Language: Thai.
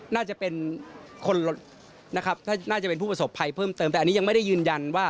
น่าจะเป็นผู้ประสบภัยเพิ่มเติมแต่อันนี้ยังไม่ได้ยืนยันว่า